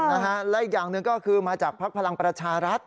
เออและอีกอย่างนึงก็คือมาจากพรรคพลังประชารัฐ